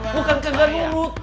bukan kagak mulut